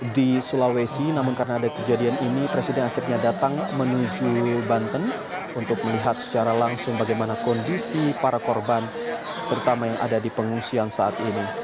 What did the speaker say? di sulawesi namun karena ada kejadian ini presiden akhirnya datang menuju banten untuk melihat secara langsung bagaimana kondisi para korban terutama yang ada di pengungsian saat ini